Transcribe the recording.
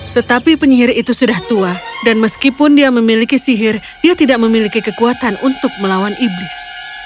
tetapi penyihir itu sudah tua dan meskipun dia memiliki sihir ia tidak memiliki kekuatan untuk melawan iblis